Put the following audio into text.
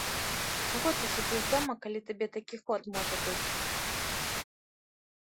Чаго ты сядзіш дома, калі табе такі ход можа быць!